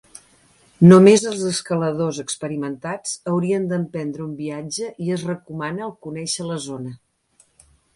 Només els escaladors experimentats haurien d'emprendre un viatge, i es recomana el conèixer la zona.